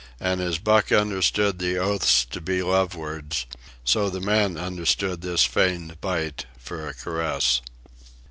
And as Buck understood the oaths to be love words, so the man understood this feigned bite for a caress.